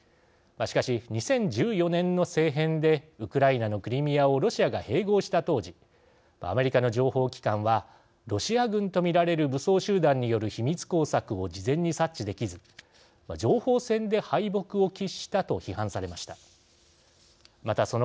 しかし２０１４年の政変でウクライナのクリミアをロシアが併合した当時アメリカの情報機関はロシア軍とみられる武装集団による秘密工作を事前に察知できず情報戦で敗北を喫したと批判されました。